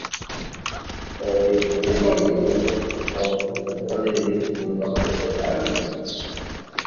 তবে, ওডিআইয়ে কোন অর্ধ-শতরানের ইনিংস সংগ্রহ করতে পারেননি।